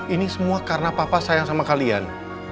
ini semua karena papa sayang sama kalian